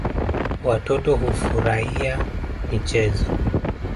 Watoto hufaria michezo.